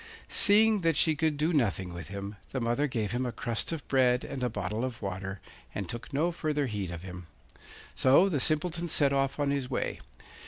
Seeing that she could do nothing with him, the mother gave him a crust of bread and a bottle of water, and took no further heed of him. So the Simpleton set off on his way.